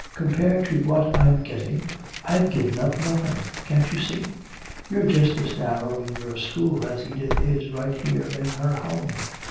"Compared to what I'm getting, I've given up nothing! Can't you see? You're just as narrow in your school as Edith is right here in her home!